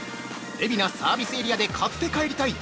海老名サービスエリアで買って帰りたい！